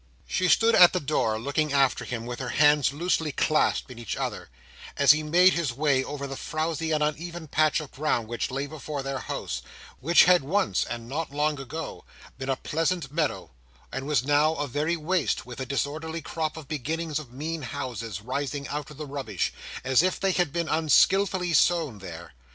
She stood at the door looking after him, with her hands loosely clasped in each other, as he made his way over the frowzy and uneven patch of ground which lay before their house, which had once (and not long ago) been a pleasant meadow, and was now a very waste, with a disorderly crop of beginnings of mean houses, rising out of the rubbish, as if they had been unskilfully sown there.